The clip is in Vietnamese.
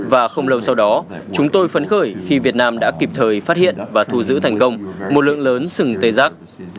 và không lâu sau đó chúng tôi phấn khởi khi việt nam đã kịp thời phát hiện và thù giữ thành công một lượng lớn sừng tê giác